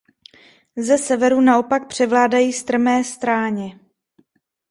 Ze severu naopak převládají strmé stráně.